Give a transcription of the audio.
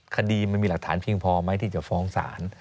คดีมันมีหลักฐานเพียงพอไหมที่จะฟ้องศาล